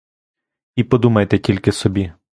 І подумайте тільки собі.